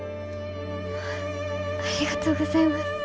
ありがとうございます。